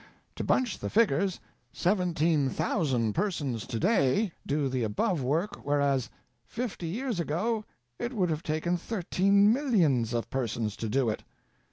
To bunch the figures, 17,900 persons to day do the above work, whereas fifty years ago it would have taken thirteen millions of persons to do it.